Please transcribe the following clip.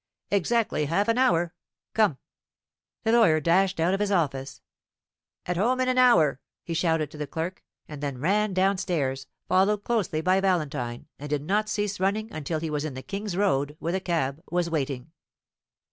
"Exactly half an hour. Come!" The lawyer dashed out of his office. "At home in an hour," he shouted to the clerk, and then ran downstairs, followed closely by Valentine, and did not cease running until he was in the King's Road, where the cab was waiting.